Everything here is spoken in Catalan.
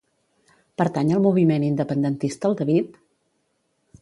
Pertany al moviment independentista el David?